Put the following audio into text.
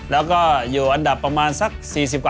แล้วก็อยู่อันดับประมาณสัก๔๐กว่า๕๐นะครับ